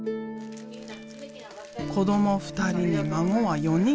子ども２人に孫は４人。